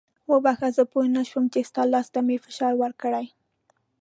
وبخښه زه پوه نه شوم چې ستا لاس ته مې فشار ورکړی.